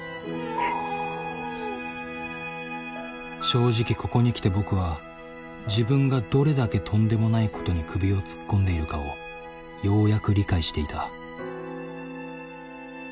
正直ここに来て僕は自分がどれだけとんでもないことに首を突っ込んでいるかをようやく理解していた。